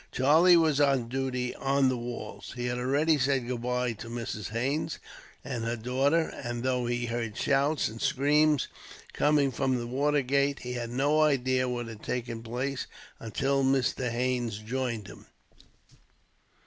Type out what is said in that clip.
Charlie was on duty, on the walls. He had already said goodbye to Mrs. Haines and her daughter, and though he heard shouts and screams coming from the watergate, he had no idea what had taken place; until Mr. Haines joined him.